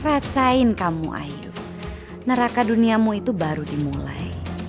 rasain kamu ayo neraka duniamu itu baru dimulai